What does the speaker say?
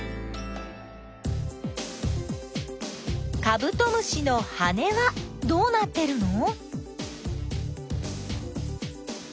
カブトムシの羽はどうなってるの？